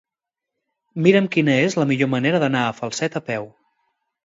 Mira'm quina és la millor manera d'anar a Falset a peu.